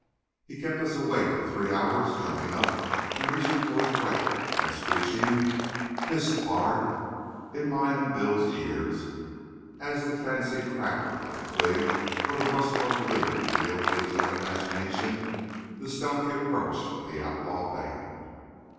He kept us awake for three hours, jumping up and reaching for his rifle and screeching: "Hist! pard," in mine and Bill's ears, as the fancied crackle of a twig or the rustle of a leaf revealed to his young imagination the stealthy approach of the outlaw band.